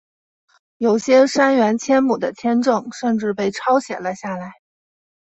有些杉原千亩的签证甚至被抄写了下来。